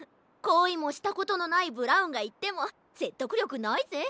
こいもしたことのないブラウンがいってもせっとくりょくないぜ。